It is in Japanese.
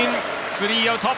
スリーアウト。